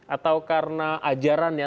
atau karena ajarannya